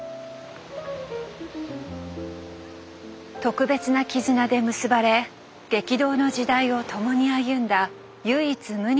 特別な絆で結ばれ激動の時代を共に歩んだ唯一無二の兄弟。